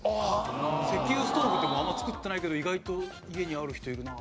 石油ストーブってもうあんま作ってないけど意外と家にある人いるな。